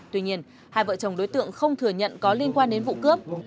tuy nhiên hai vợ chồng đối tượng không thừa nhận có liên quan đến vụ cướp